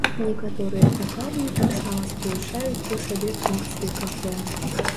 Некаторыя пякарні таксама спалучаюць у сабе функцыі кафэ.